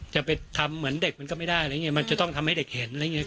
จะไปทำเหมือนเด็กมันก็ไม่ได้อะไรอย่างเงี้มันจะต้องทำให้เด็กเห็นอะไรอย่างเงี้